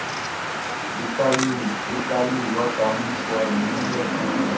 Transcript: Be tali waka mun suaʼn i wun lɛ.